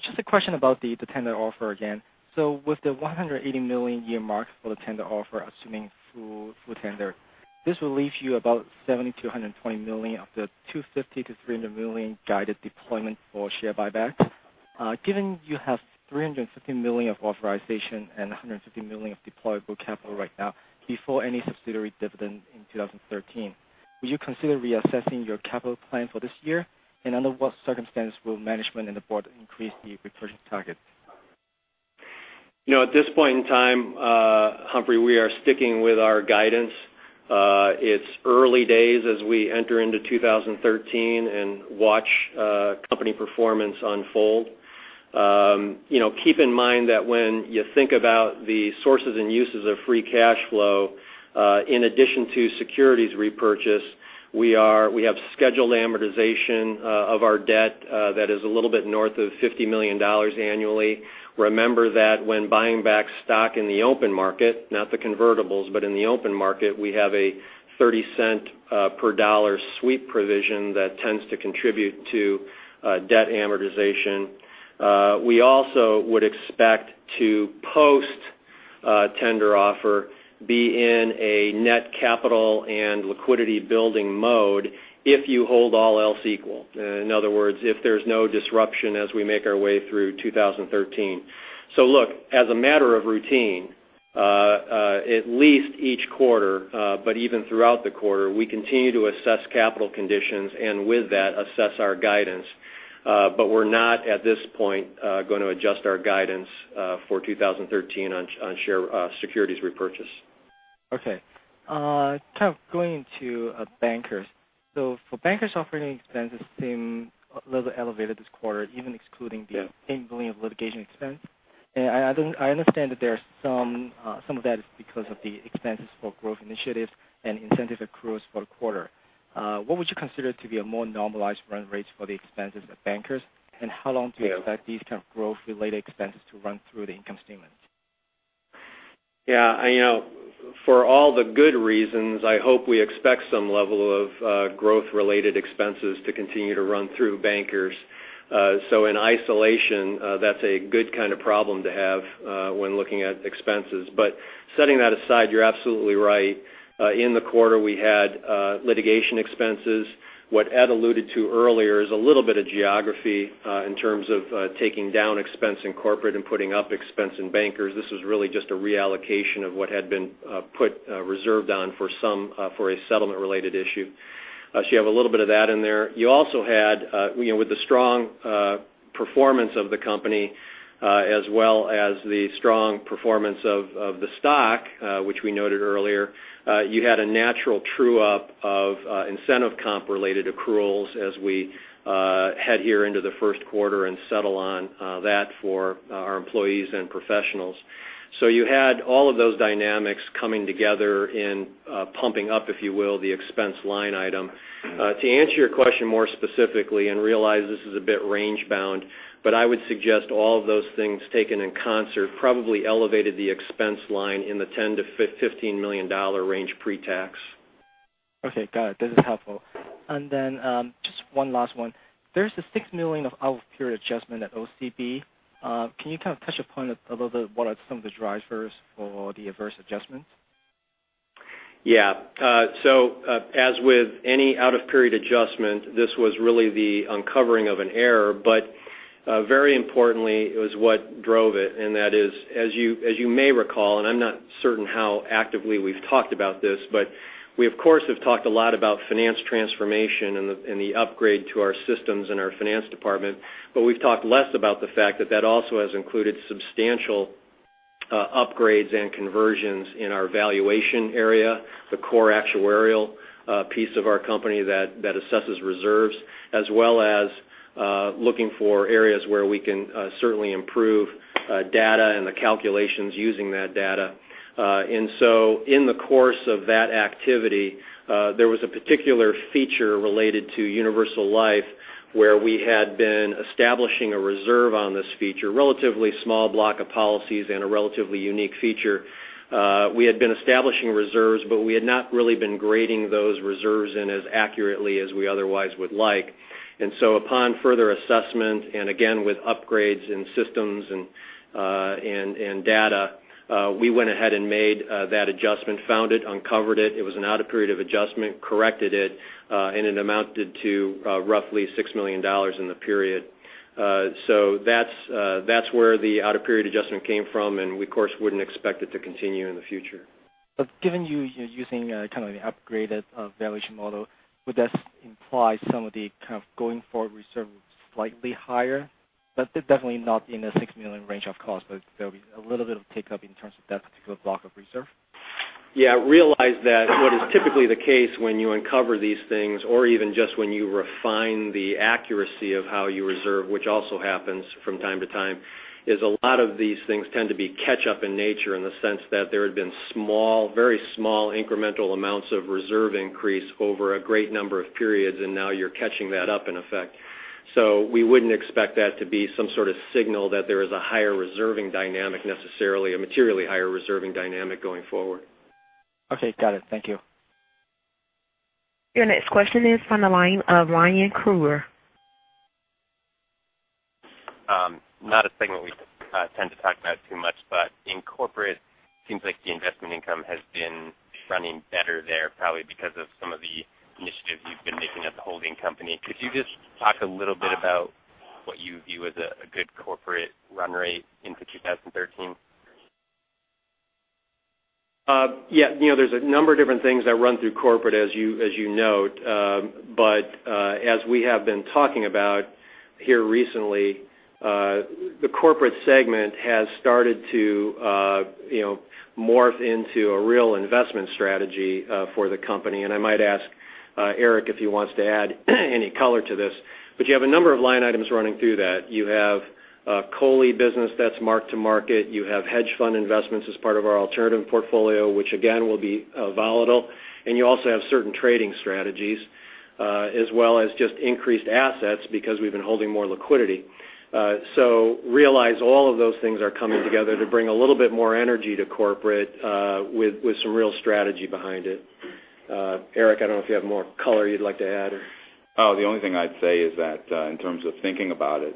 Just a question about the tender offer again. With the $180 million earmark for the tender offer, assuming full tender, this will leave you about $70 million-$120 million of the $250 million-$300 million guided deployment for share buyback. Given you have $350 million of authorization and $150 million of deployable capital right now, before any subsidiary dividend in 2013, would you consider reassessing your capital plan for this year? Under what circumstance will management and the board increase the repurchase target? At this point in time, Humphrey, we are sticking with our guidance. It's early days as we enter into 2013 and watch company performance unfold. Keep in mind that when you think about the sources and uses of free cash flow, in addition to securities repurchase, we have scheduled amortization of our debt that is a little bit north of $50 million annually. Remember that when buying back stock in the open market, not the convertibles, but in the open market, we have a $0.30 per dollar sweep provision that tends to contribute to debt amortization. We also would expect to post tender offer be in a net capital and liquidity building mode if you hold all else equal. In other words, if there's no disruption as we make our way through 2013. Look, as a matter of routine, at least each quarter, but even throughout the quarter, we continue to assess capital conditions and with that, assess our guidance. We're not, at this point, going to adjust our guidance for 2013 on securities repurchase. Okay. Kind of going to Bankers. For Bankers operating expenses seem a little bit elevated this quarter, even excluding the $10 million of litigation expense. I understand that some of that is because of the expenses for growth initiatives and incentive accruals for the quarter. What would you consider to be a more normalized run rate for the expenses of Bankers, and how long do you expect these kind of growth-related expenses to run through the income statement? Yeah. For all the good reasons, I hope we expect some level of growth-related expenses to continue to run through Bankers. In isolation, that's a good kind of problem to have when looking at expenses. Setting that aside, you're absolutely right. In the quarter, we had litigation expenses. What Ed alluded to earlier is a little bit of geography in terms of taking down expense in corporate and putting up expense in Bankers. This was really just a reallocation of what had been put reserved on for a settlement-related issue. You have a little bit of that in there. You also had with the strong performance of the company as well as the strong performance of the stock, which we noted earlier, you had a natural true-up of incentive comp related accruals as we head here into the first quarter and settle on that for our employees and professionals. You had all of those dynamics coming together and pumping up, if you will, the expense line item. To answer your question more specifically and realize this is a bit range bound, I would suggest all of those things taken in concert probably elevated the expense line in the $10 million-$15 million range pre-tax. Okay. Got it. This is helpful. Then just one last one. There's the $6 million of out-of-period adjustment at OCB. Can you kind of touch upon a little bit what are some of the drivers for the adverse adjustments? Yeah. As with any out-of-period adjustment, this was really the uncovering of an error. Very importantly, it was what drove it, and that is, as you may recall, and I'm not certain how actively we've talked about this, but we of course have talked a lot about finance transformation and the upgrade to our systems and our finance department. We've talked less about the fact that that also has included substantial upgrades and conversions in our valuation area, the core actuarial piece of our company that assesses reserves, as well as looking for areas where we can certainly improve data and the calculations using that data. In the course of that activity, there was a particular feature related to Universal Life where we had been establishing a reserve on this feature, relatively small block of policies and a relatively unique feature. We had been establishing reserves, we had not really been grading those reserves in as accurately as we otherwise would like. Upon further assessment, and again with upgrades in systems and data, we went ahead and made that adjustment, found it, uncovered it was an out-of-period of adjustment, corrected it, and it amounted to roughly $6 million in the period. That's where the out-of-period adjustment came from, and we of course wouldn't expect it to continue in the future. Given you're using kind of an upgraded valuation model, would this imply some of the kind of going forward reserve slightly higher, but definitely not in the $6 million range, of course, but there'll be a little bit of tick up in terms of that particular block of reserve? Yeah. Realize that what is typically the case when you uncover these things or even just when you refine the accuracy of how you reserve, which also happens from time to time, is a lot of these things tend to be catch up in nature in the sense that there had been very small incremental amounts of reserve increase over a great number of periods, and now you're catching that up in effect. We wouldn't expect that to be some sort of signal that there is a higher reserving dynamic necessarily, a materially higher reserving dynamic going forward. Okay. Got it. Thank you. Your next question is on the line of Ryan Krueger. Not a segment we tend to talk about too much, but in corporate, it seems like the investment income has been running better there, probably because of some of the initiatives you've been making at the holding company. Could you just talk a little bit about what you view as a good corporate run rate into 2013? Yeah. There's a number of different things that run through corporate, as you note. As we have been talking about here recently, the corporate segment has started to morph into a real investment strategy for the company. I might ask Eric if he wants to add any color to this. You have a number of line items running through that. You have COLI business that's mark-to-market. You have hedge fund investments as part of our alternative portfolio, which again, will be volatile. You also have certain trading strategies, as well as just increased assets because we've been holding more liquidity. Realize all of those things are coming together to bring a little bit more energy to corporate with some real strategy behind it. Eric, I don't know if you have more color you'd like to add or. Oh, the only thing I'd say is that, in terms of thinking about it,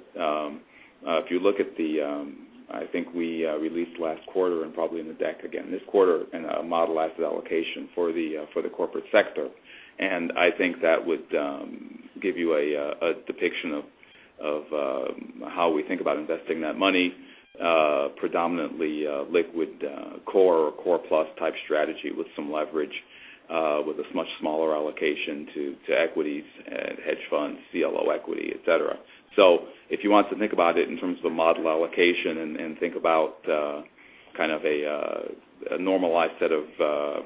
I think we released last quarter and probably in the deck again this quarter, in a model asset allocation for the corporate sector. I think that would give you a depiction of how we think about investing that money, predominantly liquid core or core plus type strategy with some leverage with as much smaller allocation to equities and hedge funds, CLO equity, et cetera. If you want to think about it in terms of the model allocation and think about a normalized set of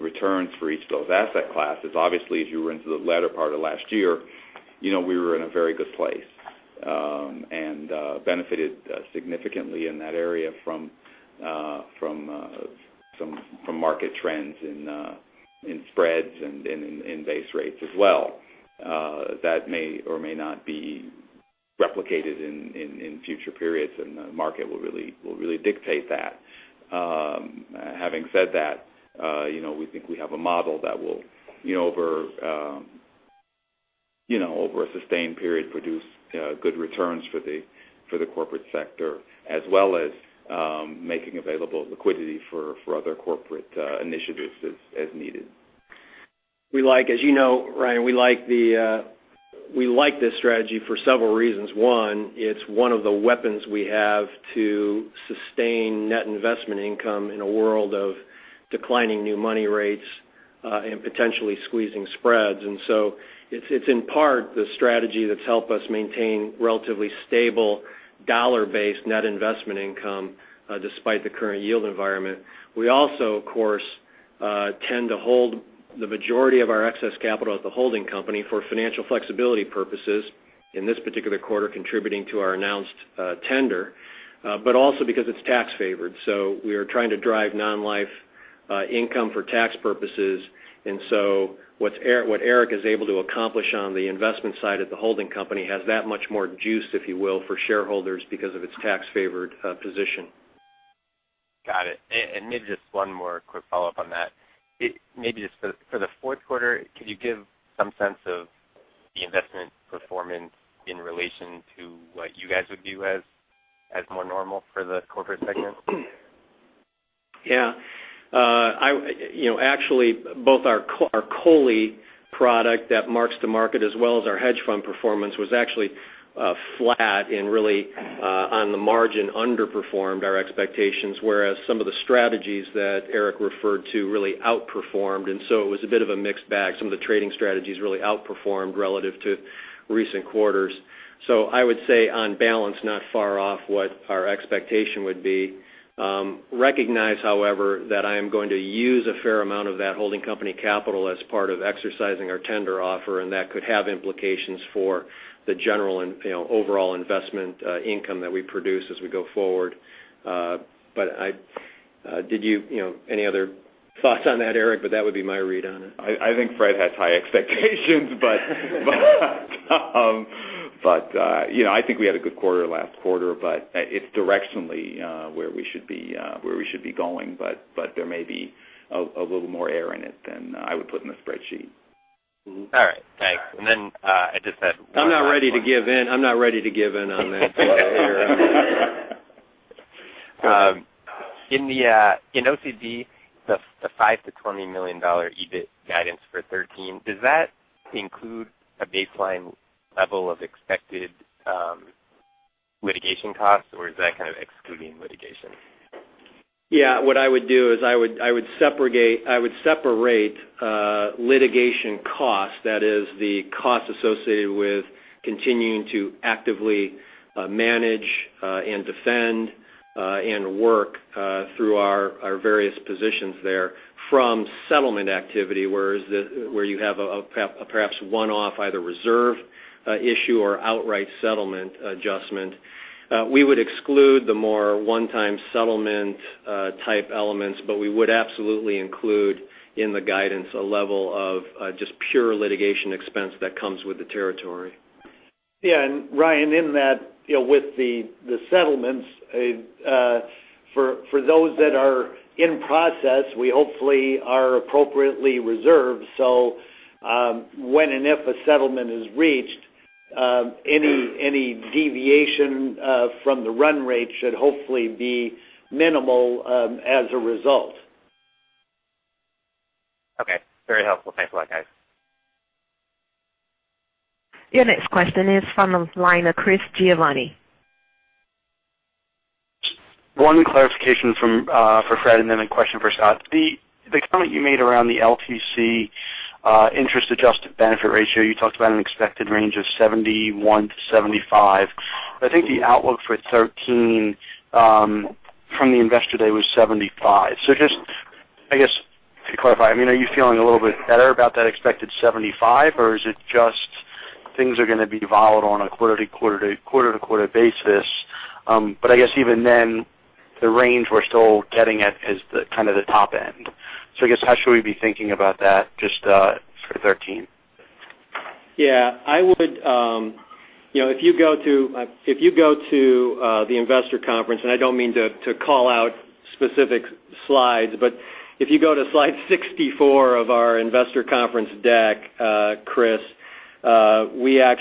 returns for each of those asset classes, obviously, as you were into the latter part of last year, we were in a very good place, and benefited significantly in that area from market trends in spreads and in base rates as well. That may or may not be replicated in future periods, and the market will really dictate that. Having said that, we think we have a model that will, over a sustained period, produce good returns for the corporate sector, as well as making available liquidity for other corporate initiatives as needed. As you know, Ryan, we like this strategy for several reasons. One, it's one of the weapons we have to sustain net investment income in a world of declining new money rates, and potentially squeezing spreads. It's in part the strategy that's helped us maintain relatively stable dollar-based net investment income, despite the current yield environment. We also, of course, tend to hold the majority of our excess capital at the holding company for financial flexibility purposes in this particular quarter contributing to our announced tender. Also because it's tax-favored. We are trying to drive non-life income for tax purposes. What Eric is able to accomplish on the investment side of the holding company has that much more juice, if you will, for shareholders because of its tax-favored position. Got it. Maybe just one more quick follow-up on that. Maybe just for the fourth quarter, could you give some sense of the investment performance in relation to what you guys would view as more normal for the corporate segment? Yeah. Actually, both our COLI product that marks to market as well as our hedge fund performance was actually flat and really on the margin underperformed our expectations, whereas some of the strategies that Eric referred to really outperformed. It was a bit of a mixed bag. Some of the trading strategies really outperformed relative to recent quarters. I would say on balance, not far off what our expectation would be. Recognize, however, that I am going to use a fair amount of that holding company capital as part of exercising our tender offer, and that could have implications for the general and overall investment income that we produce as we go forward. Any other thoughts on that, Eric? That would be my read on it. I think Fred has high expectations. I think we had a good quarter last quarter, but it's directionally where we should be going. There may be a little more air in it than I would put in the spreadsheet. All right. Thanks. I just had one last one. I'm not ready to give in on that, Eric. In OCB, the $5 million-$20 million EBIT guidance for 2013, does that include a baseline level of expected litigation costs or is that kind of excluding litigation? Yeah. What I would do is I would separate litigation costs, that is the cost associated with continuing to actively manage and defend and work through our various positions there from settlement activity, where you have perhaps a one-off, either reserve issue or outright settlement adjustment. We would exclude the more one-time settlement type elements, but we would absolutely include in the guidance a level of just pure litigation expense that comes with the territory. Yeah. Ryan, in that, with the settlements, For those that are in process, we hopefully are appropriately reserved. When and if a settlement is reached, any deviation from the run rate should hopefully be minimal as a result. Okay. Very helpful. Thanks a lot, guys. Your next question is from the line of Chris Giovanni. One clarification for Fred and then a question for Scott. The comment you made around the LTC interest-adjusted benefit ratio, you talked about an expected range of 71%-75%. I think the outlook for 2013 from the investor day was 75%. Just, I guess, to clarify, are you feeling a little bit better about that expected 75%? Or is it just things are going to be volatile on a quarter-to-quarter basis? I guess even then, the range we're still getting at is the kind of the top end. I guess, how should we be thinking about that just for 2013? Yeah, if you go to the investor conference, I don't mean to call out specific slides, but if you go to slide 64 of our investor conference deck, Chris, you're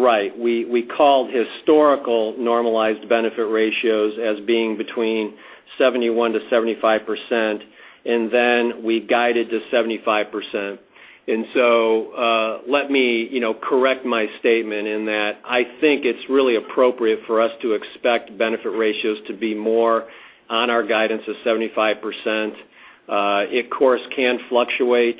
right. We called historical normalized benefit ratios as being between 71%-75%, then we guided to 75%. Let me correct my statement in that I think it's really appropriate for us to expect benefit ratios to be more on our guidance of 75%. It, of course, can fluctuate,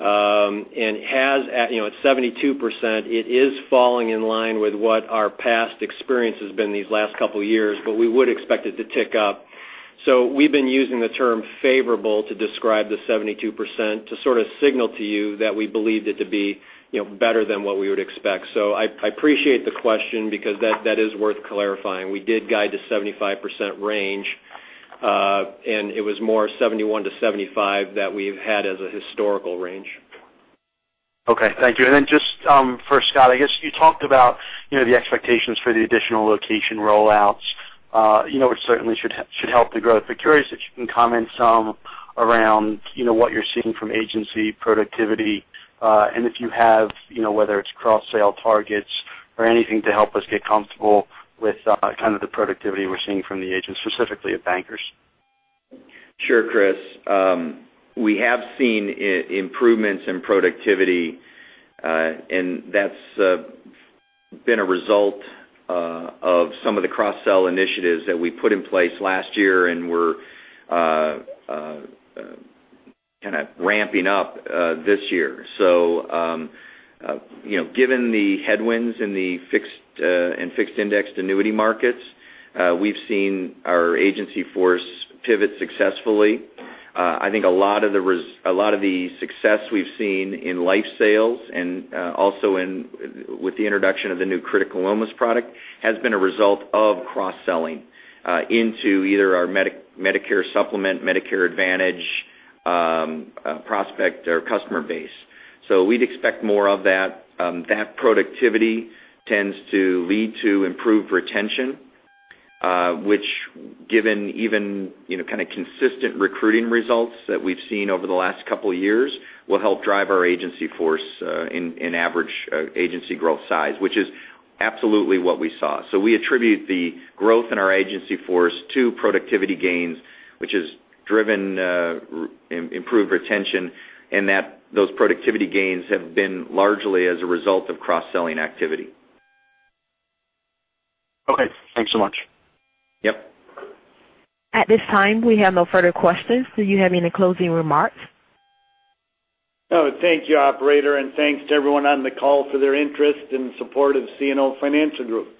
and at 72%, it is falling in line with what our past experience has been these last couple of years, we would expect it to tick up. We've been using the term favorable to describe the 72% to sort of signal to you that we believed it to be better than what we would expect. I appreciate the question because that is worth clarifying. We did guide to 75% range, it was more 71%-75% that we've had as a historical range. Okay. Thank you. Just for Scott, I guess you talked about the expectations for the additional location rollouts, which certainly should help the growth. Curious if you can comment some around what you're seeing from agency productivity, and if you have whether it's cross-sell targets or anything to help us get comfortable with kind of the productivity we're seeing from the agents, specifically at Bankers Life. Sure, Chris. We have seen improvements in productivity, and that's been a result of some of the cross-sell initiatives that we put in place last year and we're kind of ramping up this year. Given the headwinds in fixed indexed annuity markets, we've seen our agency force pivot successfully. I think a lot of the success we've seen in life sales and also with the introduction of the new critical illness product has been a result of cross-selling into either our Medicare Supplement, Medicare Advantage prospect or customer base. We'd expect more of that. That productivity tends to lead to improved retention, which given even kind of consistent recruiting results that we've seen over the last couple of years will help drive our agency force in average agency growth size, which is absolutely what we saw. We attribute the growth in our agency force to productivity gains, which has driven improved retention, and those productivity gains have been largely as a result of cross-selling activity. Okay. Thanks so much. Yep. At this time, we have no further questions. Do you have any closing remarks? No. Thank you, operator, and thanks to everyone on the call for their interest in support of CNO Financial Group.